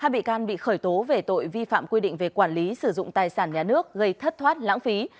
hai bị can bị khởi tố về tội vi phạm quy định về quản lý sử dụng tài sản nhà nước gây thất thoát lãng phí